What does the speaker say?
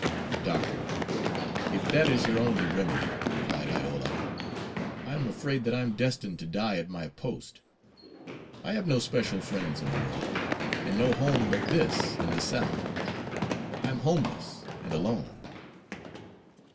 "Doctor, if that is your only remedy," replied Iola, "I am afraid that I am destined to die at my post. I have no special friends in the North, and no home but this in the South. I am homeless and alone."